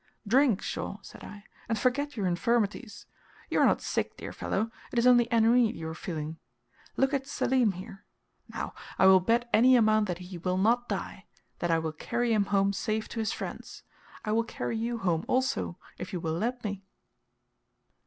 "Drink, Shaw," said I, "and forget your infirmities. You are not sick, dear fellow; it is only ennui you are feeling. Look at Selim there. Now, I will bet any amount, that he will not die; that I will carry him home safe to his friends! I will carry you home also, if you will, let me!"